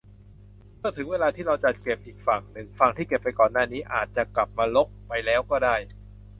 เมื่อถึงเวลาที่เราจัดเก็บอีกฝั่งหนึ่ง ฝั่งที่เก็บไปก่อนหน้านี้อาจจะกลับมารกไปแล้วก็ได้